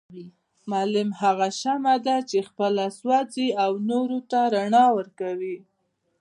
معلم هغه شمعه چي خپله سوزي او نورو ته رڼا ورکوي